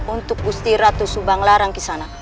untuk gusti ratu subanglarang kisana